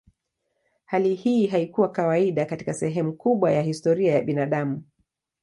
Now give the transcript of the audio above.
Hali hii haikuwa kawaida katika sehemu kubwa ya historia ya binadamu.